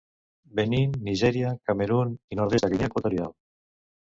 Benín, Nigèria, Camerun i nord-oest de Guinea Equatorial.